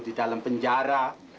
di dalam penjara